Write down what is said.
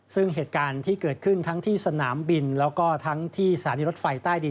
ซึ่งเหตุการณ์ที่เกิดขึ้นทั้งที่สนามบินแล้วก็ทั้งที่สถานีรถไฟใต้ดิน